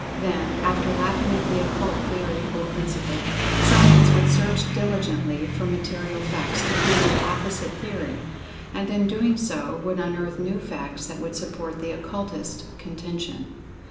Then, after laughing at the occult theory or principle, Science would search diligently for material facts to prove an opposite theory,[Pg 26] and in so doing would unearth new facts that would support the Occultists contention.